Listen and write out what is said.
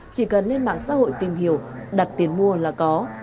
chỉ cần lên mạng xã hội tìm hiểu đặt tiền mua là có